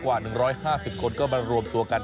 กว่า๑๕๐คนก็มารวมตัวกัน